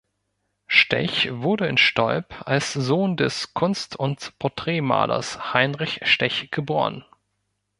Stech wurde in Stolp als Sohn des Kunst- und Porträtmalers Heinrich Stech geboren.